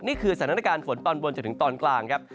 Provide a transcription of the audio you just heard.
นี่คือสถานการณ์ฝนตอนบนจนถึงตอนกลางครับ